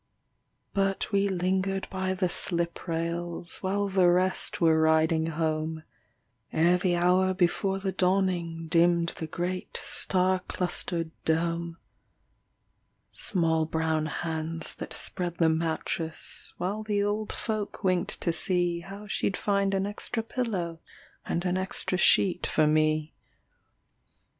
But we lingered by the slip rails While the rest were riding home, Ere the hour before the dawning, Dimmed the great star clustered dome. Small brown hands that spread the mattress While the old folk winked to see How she'd find an extra pillow And an extra sheet for me.